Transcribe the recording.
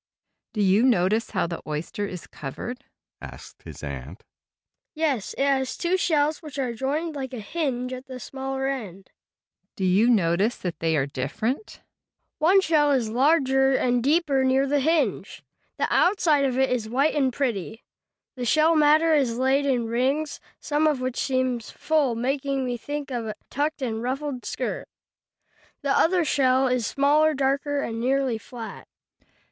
Willis did as directed. "Do you notice how the oyster is covered?" asked his aunt. "Yes, it has two shells which are joined like a hinge at the smaller end." "Do you notice that they are different?" "One shell is larger and deeper near the hinge. The outside of it is white and pretty. The shelly matter is laid in rings, some of which seem full, making me think of a tucked and ruffled skirt. The other shell is smaller, darker and nearly flat."